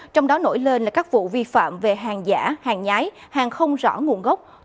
trong đó nổi lên là các vụ vi phạm về hàng giả hàng nhái hàng không rõ nguồn gốc